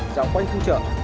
dạo quanh khu chợ